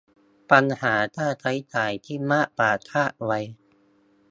ปัญหาค่าใช้จ่ายที่มากกว่าคาดไว้